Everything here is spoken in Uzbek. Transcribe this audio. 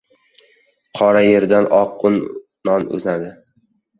• Qora yerdan oq non unadi.